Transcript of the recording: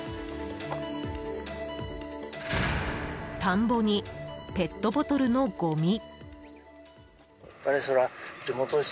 田んぼにペットボトルのごみ。